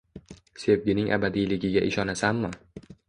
- Sevgining abadiyligiga ishonasanmi?